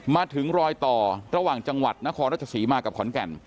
มาถึงรอยต่อระหว่างจังหวัดนครราชศรีมากับขอนแก่น